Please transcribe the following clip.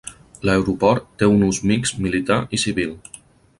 L'aeroport té un ús mixt militar i civil.